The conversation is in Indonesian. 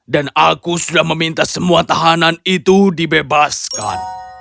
dan aku sudah meminta semua tahanan itu dibebaskan